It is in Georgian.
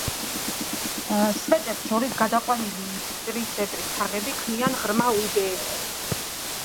სვეტებს შორის გადაყვანილი ისრისებრი თაღები ქმნიან ღრმა უბეებს.